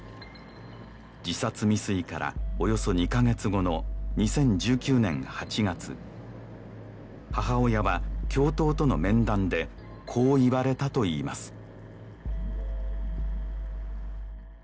自殺未遂からおよそ２カ月後の２０１９年８月母親は教頭との面談でこう言われたといいます